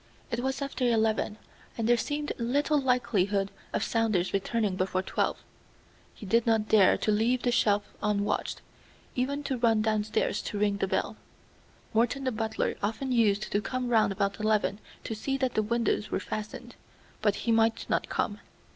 It was after eleven, and there seemed little likelihood of Saunders returning before twelve. He did not dare to leave the shelf unwatched, even to run downstairs to ring the bell. Morton the butler often used to come round about eleven to see that the windows were fastened, but he might not come.